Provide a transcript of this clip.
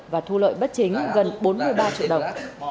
và thu lợi bất chính gần bốn mươi ba triệu đồng